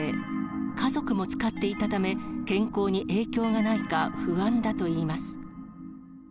家族も使っていたため、健康に影響がないか、不安だといいます。